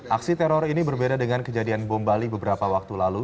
aksi teror ini berbeda dengan kejadian bom bali beberapa waktu lalu